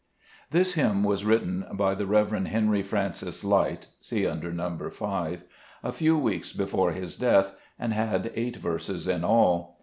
This hymn was written by the Rev. Henry Francis Lyte (see under No. 5) a few weeks before his death, and had eight verses in all.